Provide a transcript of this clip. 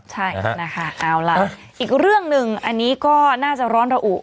ใช่นะคะเอาล่ะอีกเรื่องหนึ่งอันนี้ก็น่าจะร้อนระอุ